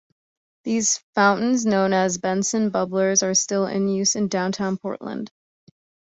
These fountains, known as "Benson Bubblers", are still in use in downtown Portland.